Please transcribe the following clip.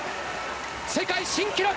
世界新記録！